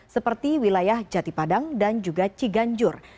seperti wilayah jatipadang dan juga ciganjur